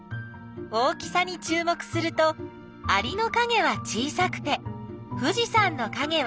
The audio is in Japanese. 大きさにちゅう目するとアリのかげは小さくて富士山のかげは大きい。